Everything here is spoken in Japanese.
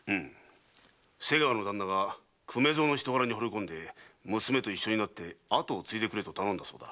瀬川の旦那が粂蔵の人柄に惚れ込んで「娘と一緒になって跡を継いでくれ」と頼んだそうだ。